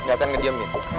nggak akan ngediam nih